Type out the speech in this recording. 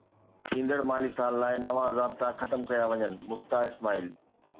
ايندڙ مالي سال لاءِ نوان ضابطا ختم ڪيا وڃن: مفتاح اسماعيل